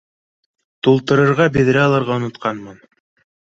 Тултырырға биҙрә алырға онотҡанмын